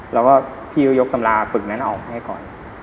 แล้วก็พี่ก็ยกตำราฝึกนั้นออกให้ก่อน